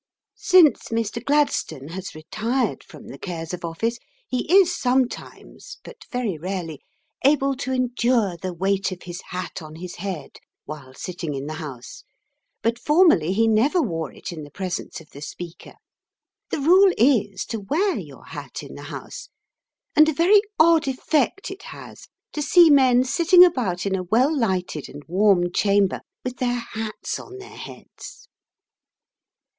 Since Mr Gladstone has retired from the cares of office he is sometimes, but very rarely, able to endure the weight of his hat on his head while sitting in the House; but, formerly, he never wore it in the presence of the Speaker. The rule is to wear your hat in the House, and a very odd effect it has to see men sitting about in a well lighted and warm chamber with their hats on their heads.